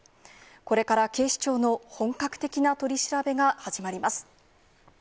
これから警視庁の本格的な取り調べが始まります。